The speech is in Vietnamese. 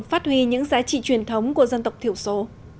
phát huy những giá trị truyền thống của dân tộc thiểu số